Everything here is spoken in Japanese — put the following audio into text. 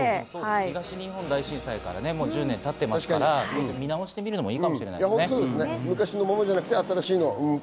東日本大震災から１０年経ってますから、見直してみるのもいいかもしれません。